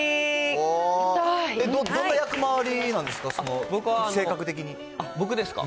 どんな役回りなんですか、性僕ですか。